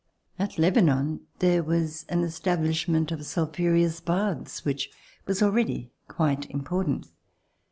At Lebanon there was an establishment of sulphu reous baths which was already quite important.